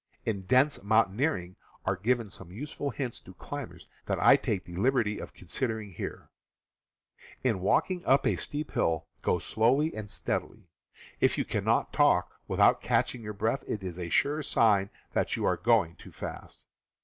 In Dent's Mountaineering are given some useful hints to climbers that I take the liberty of condensing here: In walking up a steep hill, go slowly and steadily. If you cannot talk without catching your breath, it is a sure sign that you are going too fast.